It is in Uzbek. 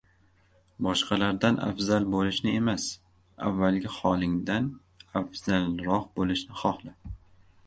Boshqalardan afzal bo‘lishni emas, avvalgi holingdan afzalroq bo‘lishni xohla!